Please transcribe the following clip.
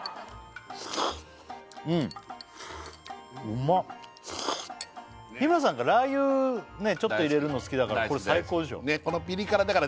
うまっ日村さんがラー油ちょっと入れるの好きだからこれ最高でしょ大好き大好き